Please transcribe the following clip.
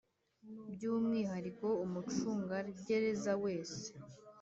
By umwihariko umucungagereza wese